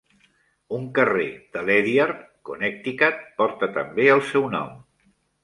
Un carrer de Ledyard, Connecticut, porta també el seu nom.